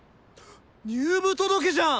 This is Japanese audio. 入部届じゃん！